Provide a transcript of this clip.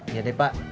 iya deh pak